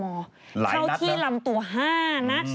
เข้าที่ลำตัว๕นัด